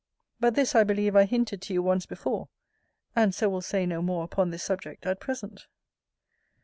But this I believe I hinted to you once before; and so will say no more upon this subject at present.